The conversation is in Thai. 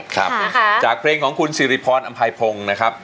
ค่ะจากเพลงของคุณสีริพรบรอมภายพงนะครับ